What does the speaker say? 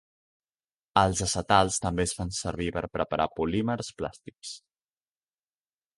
Els acetals també es fan servir per preparar polímers plàstics.